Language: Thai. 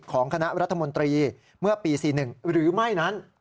ของคณะรัฐมนตรีเมื่อปี๔๑หรือไม่นั้น